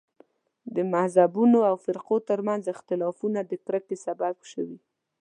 د مذهبونو او فرقو تر منځ اختلافونه د کرکې سبب شوي.